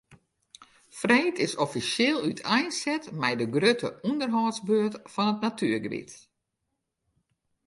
Freed is offisjeel úteinset mei de grutte ûnderhâldsbeurt fan it natuergebiet.